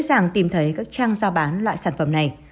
dễ dàng tìm thấy các trang giao bán loại sản phẩm này